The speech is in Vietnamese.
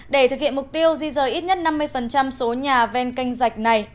để thực hiện mục tiêu di rời ít nhất năm mươi số nhà ven canh rạch này